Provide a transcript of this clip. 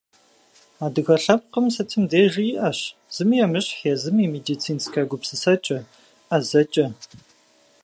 Адыгэ лъэпкъым сытым дежи иӏащ зыми емыщхь езым и медицинскэ гупсысэкӏэ, ӏэзэкӏэ.